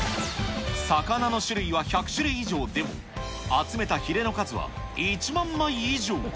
魚の種類は１００種類以上でも、集めたヒレの数は１万枚以上。